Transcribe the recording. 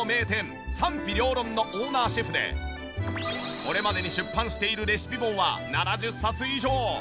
これまでに出版しているレシピ本は７０冊以上。